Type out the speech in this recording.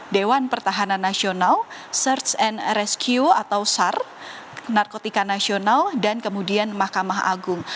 dewan pertahanan nasional search and rescue atau sar narkotika nasional dan kemudian mahkamah agung